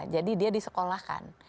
jadi dia disekolahkan